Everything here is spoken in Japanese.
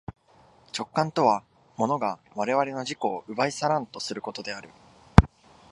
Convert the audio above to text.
直観とは物が我々の自己を奪い去らんとすることである。